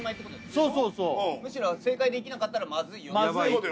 そうそうそうむしろ正解できなかったらマズい